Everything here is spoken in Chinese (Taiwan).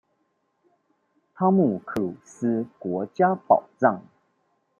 湯姆克魯斯國家寶藏